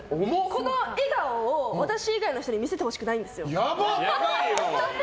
この笑顔を私以外の人に見せてほしくないんですよ。